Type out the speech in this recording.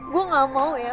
gue gak mau ya